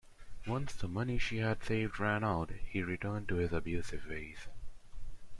Once the money she had saved ran out, he returned to his abusive ways.